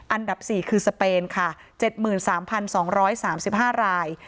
อันดับสี่คือสเปนค่ะเจ็ดหมื่นสามพันสองร้อยสามสิบห้าราย